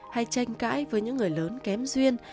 hay tranh cãi với những người lớn kém duyên